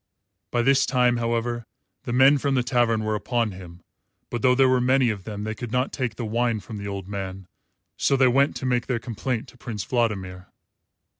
By this time, however, the men from the tavern were upon him; but though there were many of them they could not take the wine from the old man, so they went to make their complaint to Prince Vladimir.